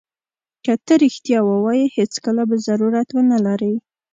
که ته رښتیا ووایې هېڅکله به ضرورت ونه لرې.